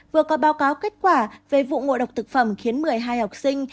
vừa có báo cáo kết quả về vụ ngộ độc thực phẩm khiến một mươi hai học sinh